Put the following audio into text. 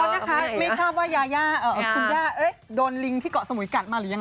นะคะไม่ทราบว่ายาย่าคุณย่าโดนลิงที่เกาะสมุยกัดมาหรือยัง